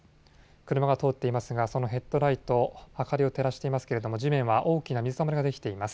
車が通っていますがそのヘッドライト明かりを照らしていますけれども地面は大きな水たまりができています。